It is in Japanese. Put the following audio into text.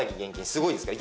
すごいですから。